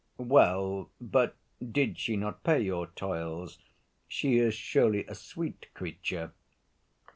"Well, but did she not pay your toils? She is surely a sweet creature."